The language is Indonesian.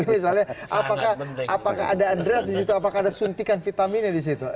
misalnya apakah ada adres disitu apakah ada suntikan vitaminnya disitu